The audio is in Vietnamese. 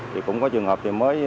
thì cũng có trường hợp thì mới